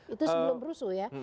itu sebelum rusuh ya